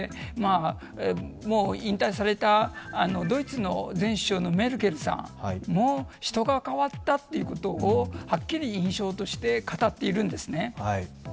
もう引退されたドイツの前首相のメルケルさんも、人が変わったということをはっきり印象として語っているんです。